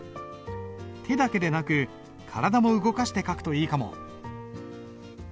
手だけでなく体も動かして書くといいかも。